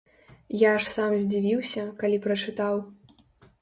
Я аж сам здзівіўся, калі прачытаў.